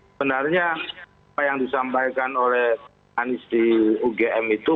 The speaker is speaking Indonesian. sebenarnya apa yang disampaikan oleh anies di ugm itu